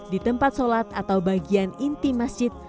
di tempat sholat atau bagian inti masjid